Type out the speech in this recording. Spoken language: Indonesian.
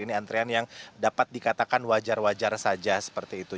ini antrean yang dapat dikatakan wajar wajar saja seperti itu